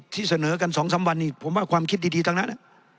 ที่เสนอกันสองสามวันนี่ผมว่าความคิดดีดีตั้งนั้น